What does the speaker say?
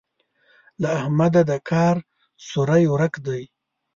له احمده د کار سوری ورک دی.